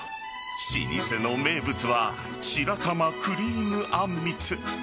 老舗の名物は白玉クリームあんみつ。